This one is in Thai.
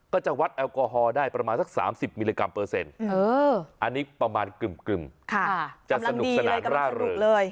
ก็จะวัดแอลกอฮอล์ได้ประมาณสัก๓๐มิลลิกรัมเปอร์เซ็นต์อันนี้ประมาณกึ่มจะสนุกสนานร่าเริงเลย